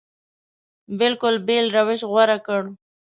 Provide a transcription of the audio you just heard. بلکل بېل روش غوره کړ.